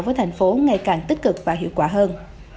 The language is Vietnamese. với thành phố ngày càng tích cực và hiệu quả hơn